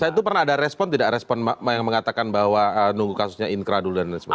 saya itu pernah ada respon tidak respon yang mengatakan bahwa nunggu kasusnya inkra dulu dan lain sebagainya